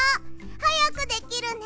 はやくできるね。